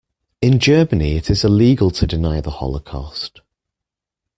In Germany it is illegal to deny the holocaust.